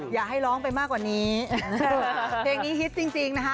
อยากให้ร้องไปมากกว่านี้เพลงนี้ฮิตจริงนะคะ